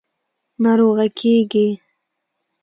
– ناروغه کېږې.